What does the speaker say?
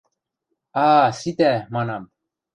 А-а, ситӓ, манам!